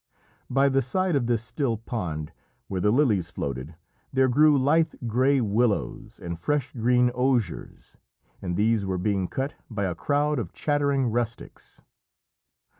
By the side of this still pond, where the lilies floated, there grew lithe grey willows and fresh green osiers, and these were being cut by a crowd of chattering rustics.